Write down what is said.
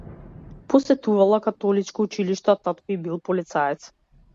Посетувала католичко училиште, а татко и бил полицаец.